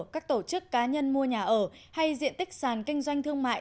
các tổ chức cá nhân mua nhà ở hay diện tích sàn kinh doanh thương mại